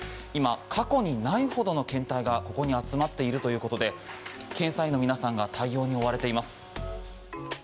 今、過去にないほどの検体がここに集まっているということで検査員の皆さんが対応に追われています。